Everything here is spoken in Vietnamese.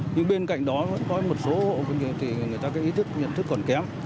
nhưng bên cạnh đó vẫn có một số hộp thì người ta cái ý thức nhận thức còn kém